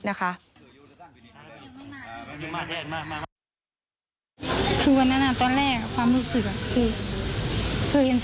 น้องโก้ที่วันนี้ข้างใกล้จะอยู่ดูแลวิธีมีน